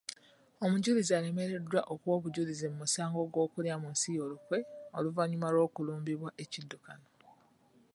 Omujulizi alemererwa okuwa obujulizi mu musango gw'okulya mu nsi olukwe oluvannyuma lw'okulumbibwa ekiddukano.